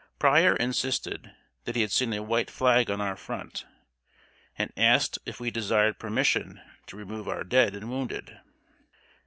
Pryor insisted that he had seen a white flag on our front, and asked if we desired permission to remove our dead and wounded.